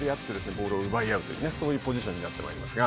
ボールを奪い合うというねそういうポジションになってまいりますが。